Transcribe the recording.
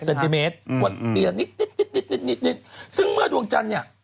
ปวดเปลี่ยนนิดซึ่งเมื่อดวงจันทร์เนี่ย